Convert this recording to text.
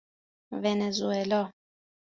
ونزوئلا